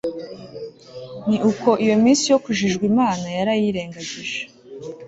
ni uko iyo minsi yo kujijwa imana yarayirengagije